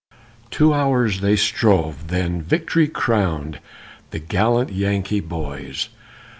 Two hours they strove then victory crown'd The gallant Yankee boys.